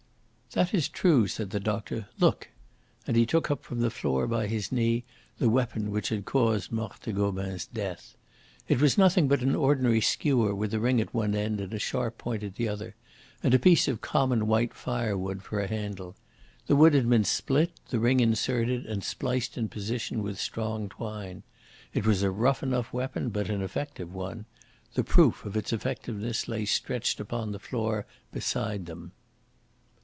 "That is true," said the doctor. "Look!" and he took up from the floor by his knee the weapon which had caused Marthe Gobin's death. It was nothing but an ordinary skewer with a ring at one end and a sharp point at the other, and a piece of common white firewood for a handle. The wood had been split, the ring inserted and spliced in position with strong twine. It was a rough enough weapon, but an effective one. The proof of its effectiveness lay stretched upon the floor beside them.